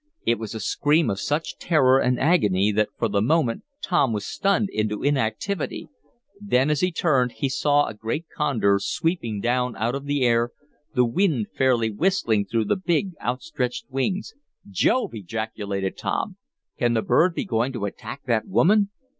It was a scream of such terror and agony that, for the moment, Tom was stunned into inactivity. Then, as he turned, he saw a great condor sweeping down out of the air, the wind fairly whistling through the big, outstretched wings. "Jove!" ejaculated Tom. "Can the bird be going to attack the woman?"